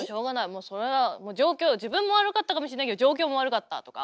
もうそれは状況自分も悪かったかもしれないけど状況も悪かったとか。